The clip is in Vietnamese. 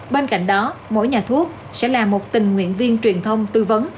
bên cạnh đó mỗi nhà thuốc sẽ là một tình nguyện viên truyền thông tư vấn